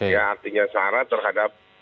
ya artinya sara terhadap